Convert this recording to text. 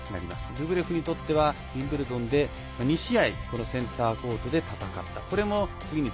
ルブレフにとってはウィンブルドンで２試合、このセンターコートで戦った。